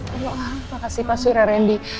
al makasih pak suriarendi